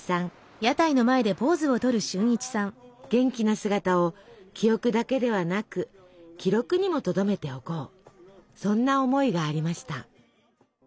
元気な姿を記憶だけではなく記録にもとどめておこうそんな思いがありました。